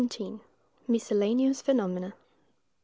MISCELLANEOUS PHENOMENA.